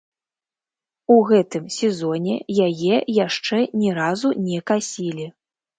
У гэтым сезоне яе яшчэ ні разу не касілі.